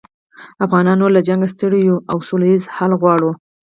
افغانان نور له جنګه ستړي یوو او سوله ییز حل غواړو